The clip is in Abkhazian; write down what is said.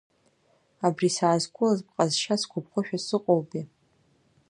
Абри саазқәылаз бҟазшьа сгәаԥхошәа сыҟоупе…